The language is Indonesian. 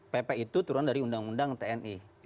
pp itu turun dari undang undang tni